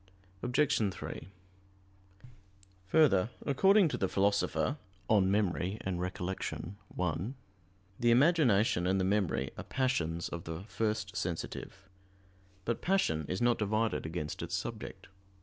Obj. 3: Further, according to the Philosopher (De Memor. et Remin. i), the imagination and the memory are passions of the "first sensitive." But passion is not divided against its subject.